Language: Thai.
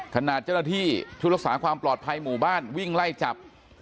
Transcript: ขณะเจ้าหน้าที่ชุดรักษาความปลอดภัยหมู่บ้านวิ่งไล่จับ